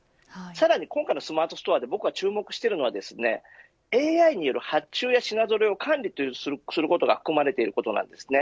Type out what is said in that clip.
さらに今回のスマートストアで僕が注目しているのはＡＩによる発注や品ぞろえを管理することが含まれていることです。